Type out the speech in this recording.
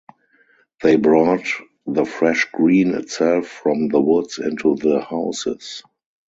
They brought the fresh green itself from the woods into the houses.